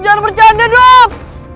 jangan bercanda dok